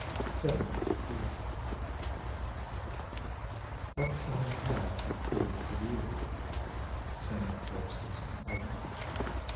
KILLING DEER "What shall he have that kill'd the deer?" sang the foresters in Arden.